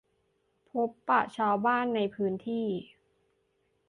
พบปะชาวบ้านในพื้นที่